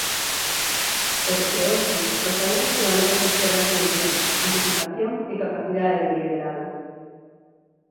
Porque, hoxe, os galegos e galegas esperan solucións, anticipación e capacidade de liderado.